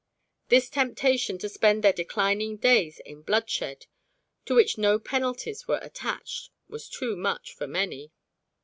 This temptation to spend their declining days in bloodshed, to which no penalties were attached, was too much for many.